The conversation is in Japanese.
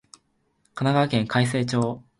神奈川県開成町